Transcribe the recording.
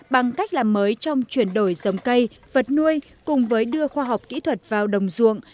bằng cách làm mới trong chuyển đổi giống cây vật nuôi cùng với đưa khoa học kỹ thuật vào đồng ruộng